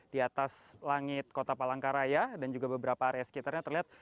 di atas langit kota palangkaraya dan juga beberapa area sekitarnya terlihat